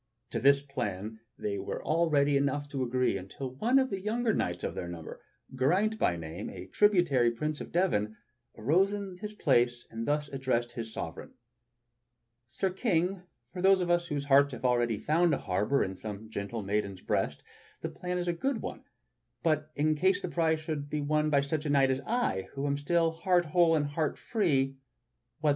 To this plan they were all ready enough to agree until one of the younger knights of their number, Geraint by name, a tributary prince of Devon, arose in his place and thus addressed his sovereign: "Sir King, for those of us whose hearts have already found a harbor in some gentle maiden's breast, the plan is a good one; but in case the prize should be won by such a knight as I, who am still heart whole and heart free — what then?"